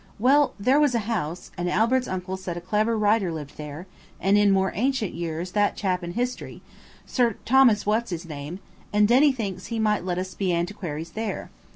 Well, there was a house, and Albert's uncle said a clever writer lived there, and in more ancient years that chap in history–Sir Thomas What's his name; and Denny thinks he might let us be antiquaries there.